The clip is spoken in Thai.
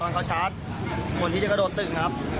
เขาชาร์จคนที่จะกระโดดตึกครับ